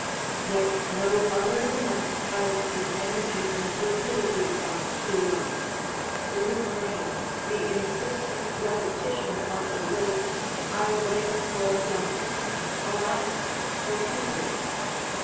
Yet no other lament has the energy and rapidity of Bion's; the refrain, the insistent repetition of the words "I wail for Adonis", "Alas for Cypris!"